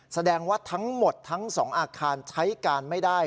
แสดงว่าทั้งหมดทั้ง๒อาคารใช้การไม่ได้